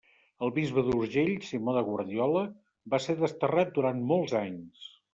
El bisbe d'Urgell, Simó de Guardiola, va ser desterrat durant molts anys.